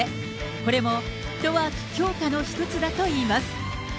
これもフットワーク強化の一つだといいます。